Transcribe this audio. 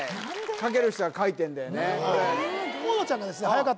書ける人は書いてんだよね・何で！？